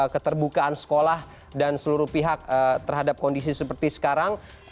keterbukaan sekolah dan seluruh pihak terhadap kondisi seperti sekarang